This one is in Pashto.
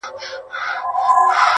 نغمه راغبرګه کړله،